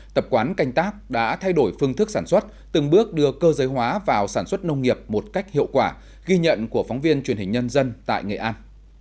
tập quán canh tác đã thay đổi phương thức sản xuất từng bước đưa cơ giới hóa vào sản xuất nông nghiệp một cách hiệu quả ghi nhận của phóng viên truyền hình nhân dân tại nghệ an